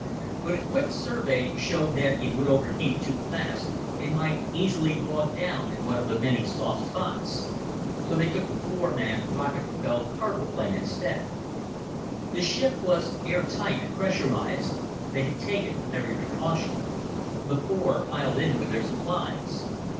But a quick survey showed that it would overheat too fast and might easily bog down in one of the many soft spots. So they took the four man, rocket propelled cargo plane instead. The ship was airtight and pressurized. They had taken every precaution. The four piled in with their supplies.